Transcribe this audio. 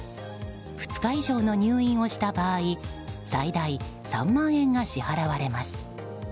２日以上の入院をした場合最大３万円が支払われます。